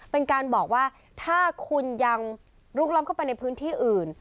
เป็นการบอกว่าถ้าคุณยังลุกล้ำเข้าไปในพื้นที่อื่น